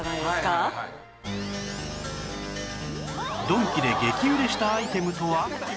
ドンキで激売れしたアイテムとは